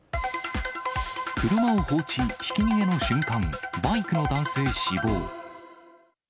車を放置、ひき逃げの瞬間、バイクの男性死亡。